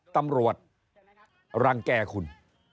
ตำรวจรังแก่คุณ